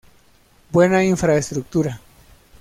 Buena infraestructura.